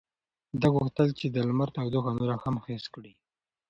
ده غوښتل چې د لمر تودوخه نوره هم حس کړي.